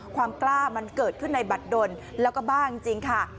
ความกล้ามันเกิดขึ้นในบัตรดนแล้วก็บ้าจริงค่ะ